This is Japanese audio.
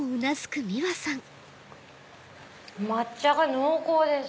抹茶が濃厚です！